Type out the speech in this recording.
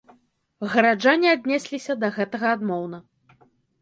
Гараджане аднесліся да гэтага адмоўна.